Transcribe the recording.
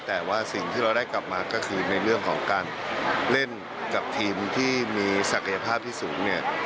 แต่ว่าสิ่งที่เราได้กลับมาก็คือในเรื่องของการเล่นกับทีมที่มีศักยภาพที่สูงเนี่ย